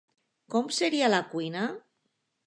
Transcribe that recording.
Com seria la cuina?